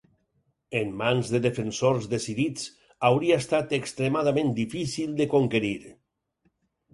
En mans de defensors decidits, hauria estat extremadament difícil de conquerir.